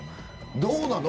どうなの？